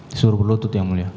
disuruh berlutut yang mulia